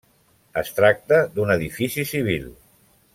Es tracta d'un edifici civil.